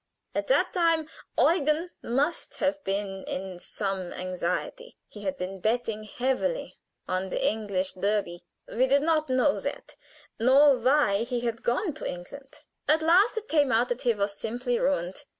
At that time Eugen must have been in some anxiety: he had been betting heavily on the English Derby. We did not know that, nor why he had gone to England. At last it came out that he was simply ruined.